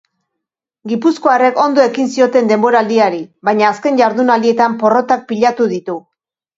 Gipuzkoarrek ondo ekin zioten denboraldiari, baina azken jardunaldietan porrotak pilatu ditu.